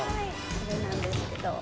これなんですけど。